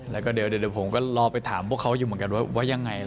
แล้วก็เดี๋ยวผมก็รอไปถามพวกเขาอยู่เหมือนกันว่ายังไง